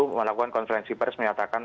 melakukan konferensi pers menyatakan